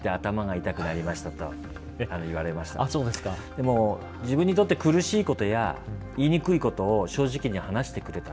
でも自分にとって苦しいことや言いにくいことを正直に話してくれた。